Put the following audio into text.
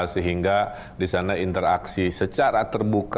sehingga di sana interaksi secara terbuka